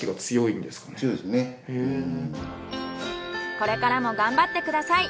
これからも頑張ってください。